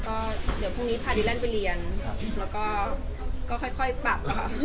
ก็กลับบ้านพรุ่งนี้พาดิแรนไปเรียนและก็ค่อยปรับ